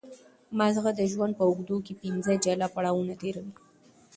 ماغزه د ژوند په اوږدو کې پنځه جلا پړاوونه تېروي.